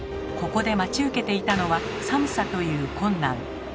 ここで待ち受けていたのは「寒さ」という困難。